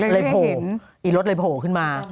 เลยโผล่อี๊ะรดเลยโผล่ขึ้นมา